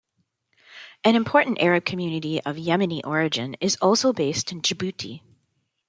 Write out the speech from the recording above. An important Arab community of Yemeni origin, is also based in Djibouti.